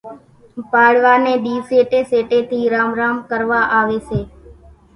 پاڙوا ني ۮي سيٽي سيٽي ٿي رام رام ڪروا آوي سي